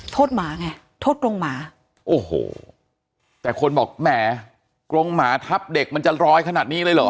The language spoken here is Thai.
หมาไงโทษกรงหมาโอ้โหแต่คนบอกแหมกรงหมาทับเด็กมันจะร้อยขนาดนี้เลยเหรอ